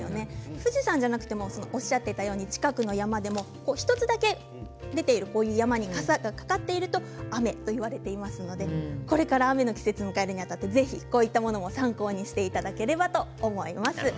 富士山ではなくても近くの山でも山にかさがかかっていると雨といわれていますのでこれから雨の季節を迎えるにあたってこういったものも参考にしていただければと思います。